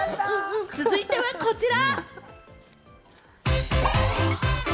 続いてはこちら。